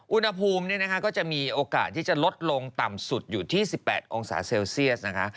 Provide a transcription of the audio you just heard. อุณหภูมิก็จะมีโอกาสที่จะลดลงต่ำสุดอยู่ที่๑๘องศาเซลเซียสนะคะ